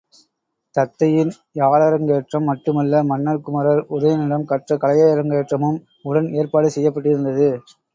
தத்தையின் யாழரங்கேற்றம் மட்டுமல்ல மன்ன குமரர் உதயணனிடம் கற்ற கலையரங்கேற்றமும் உடன் ஏற்பாடு செய்யப்பட்டிருந்தது.